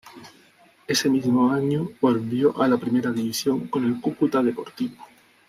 Ese mismo año volvió a la primera división, con el Cúcuta Deportivo.